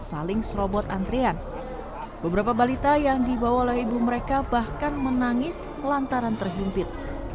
saling serobot antrian beberapa balita yang dibawa oleh ibu mereka bahkan menangis lantaran terhimpit